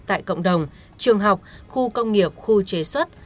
tại cộng đồng trường học khu công nghiệp khu chế xuất